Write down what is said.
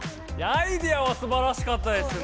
アイデアはすばらしかったですね。